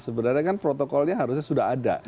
sebenarnya kan protokolnya harusnya sudah ada